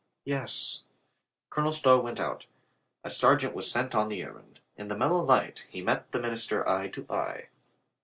"Yes." Colonel Stow went out. A sergeant was sent on the errand. In the mellow light he met the min ister eye to eye.